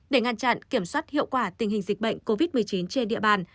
để ngăn chặn kiểm soát hiệu quả tình hình dịch bệnh covid một mươi chín trên địa bàn